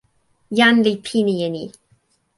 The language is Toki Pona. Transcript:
jan li pini e ni.